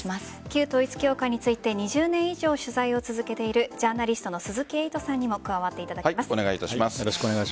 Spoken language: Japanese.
旧統一教会について２０年以上取材を続けているジャーナリストの鈴木エイトさんにも加わっていただきます。